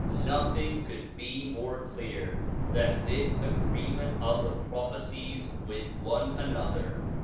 Nothing could be more clear than this agreement of the prophecies with one another.